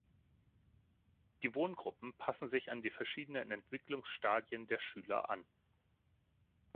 Die Wohngruppen passen sich an die verschiedenen Entwicklungsstadien der Schüler an.